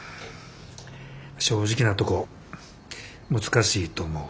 正直なとこ難しいと思う。